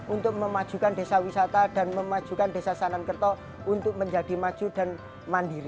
untuk memajukan desa wisata dan memajukan desa sanankerto untuk menjadi maju dan mandiri